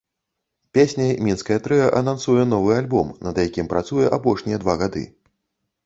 Песняй мінскае трыа анансуе новы альбом, над якім працуе апошнія два гады.